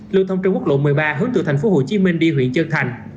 lưu thông trên quốc lộ một mươi ba hướng từ thành phố hồ chí minh đi huyện trân thành